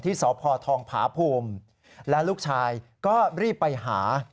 สพทองผาภูมิและลูกชายก็รีบไปหา